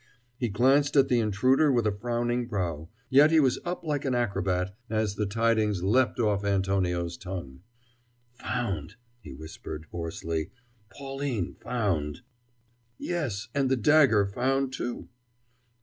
He glanced at the intruder with a frowning brow, yet he was up like an acrobat, as the tidings leapt off Antonio's tongue. "Found!" he whispered hoarsely, "Pauline found!" "Yes, and the dagger found, too!"